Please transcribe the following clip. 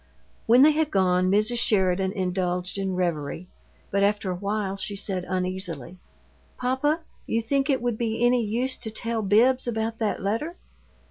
When they had gone, Mrs. Sheridan indulged in reverie, but after a while she said, uneasily, "Papa, you think it would be any use to tell Bibbs about that letter?"